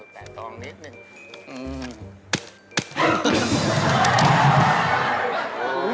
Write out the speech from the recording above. แปะทองนิดหนึ่ง